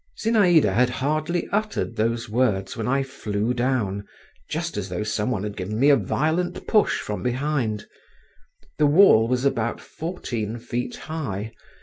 Zinaïda had hardly uttered those words when I flew down, just as though some one had given me a violent push from behind. The wall was about fourteen feet high.